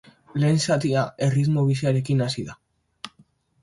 Lehen zatia erritmo biziarekin hasi da.